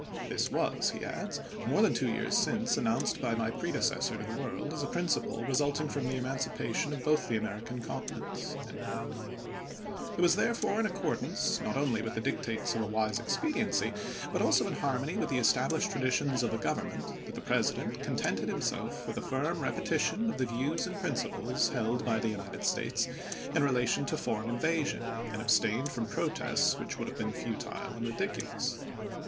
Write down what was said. This was," he adds, "more than two years since, announced by my predecessor to the world, as a principle re sulting from the emancipation of both the Ameri can continents." It was therefore in accordance, not only with the dictates of a wise expediency, but also in harmony MAXIMILIAN 407 with the established traditions of the Government, chap. xiv. that the President contented himself with a firm repetition of the views and principles held by the United States in relation to foreign invasion, and abstained from protests which wonld have been futile and ridiculous.